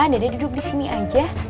dede duduk disini aja